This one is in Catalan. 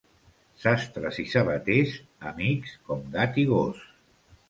Sastres i sabaters, amics com gat i gos.